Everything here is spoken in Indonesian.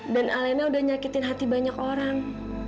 dan alina udah nyakitin hati banyak orang